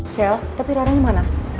sel tapi rara gimana